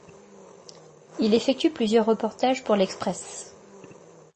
Il effectue plusieurs reportages pour L'Express.